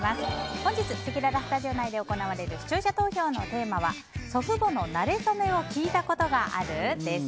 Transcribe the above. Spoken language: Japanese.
本日せきららスタジオ内で行われる視聴者投票のテーマは祖父母のなれそめを聞いたことがある？です。